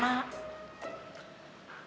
nih teh kemana